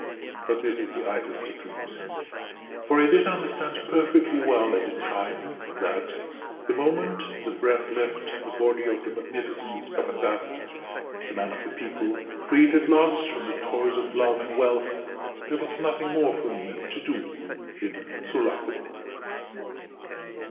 But this is the idlest of dreams; for I did understand perfectly well at the time that the moment the breath left the body of the Magnificent Capataz, the Man of the People, freed at last from the toils of love and wealth, there was nothing more for me to do in Sulaco.